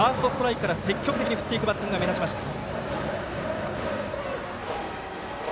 ファーストストライクから積極的に振っていくバッティングが目立ちました。